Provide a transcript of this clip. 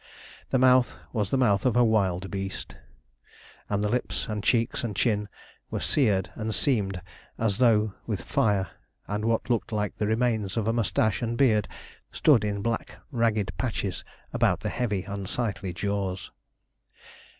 The mouth was the mouth of a wild beast, and the lips and cheeks and chin were seared and seamed as though with fire, and what looked like the remains of a moustache and beard stood in black ragged patches about the heavy unsightly jaws.